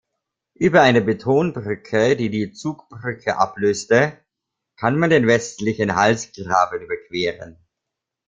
Über eine Betonbrücke, die die Zugbrücke ablöste, kann man den westlichen Halsgraben überqueren.